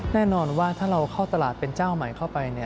แน่นอนว่าถ้าเราเข้าตลาดเป็นเจ้าใหม่เข้าไป